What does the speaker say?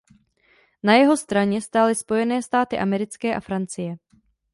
Na jeho straně stály Spojené státy americké a Francie.